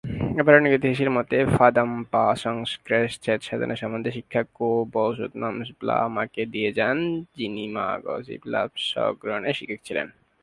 আবার অনেক ঐতিহাসিকের মতে, ফা-দাম-পা-সাংস-র্গ্যাস ছেদ সাধনা সম্বন্ধে শিক্ষা ক্যো-ব্সোদ-নাম্স-ব্লা-মাকে দিয়ে যান, যিনি মা-গ্চিগ-লাব-স্গ্রোনের শিক্ষক ছিলেন।